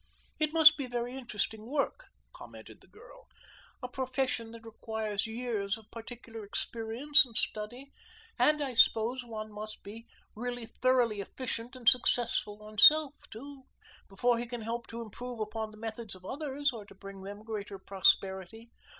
"It must be very interesting work," commented the girl; "a profession that requires years of particular experience and study, and I suppose one must be really thoroughly efficient and successful himself, too, before he can help to improve upon the methods of others or to bring them greater prosperity."